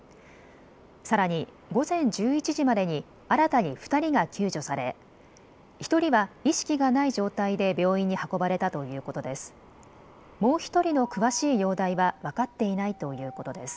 さらに午前１１時までに新たに２人が救助され１人は意識がない状態で病院に運ばれたということです。